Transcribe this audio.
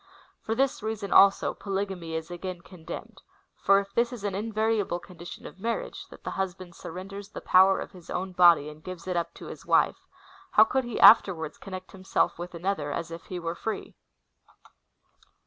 For this reason, also, polygamy (7ro\vya/u,ia) is again condemned ; for if this is an invariable condition of marriage, that the husband surrenders the power of his own body, and gives it up to his wife, how could he afterwards connect himself with another, as if he were free?